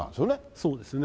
そうですね。